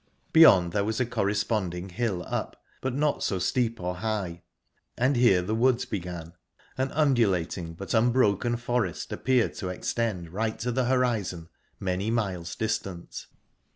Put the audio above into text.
Beyond it there was a corresponding hill up, but not so steep or high; and here the woods began; an undulating but unbroken forest appeared to extend right to the horizon, many miles distant.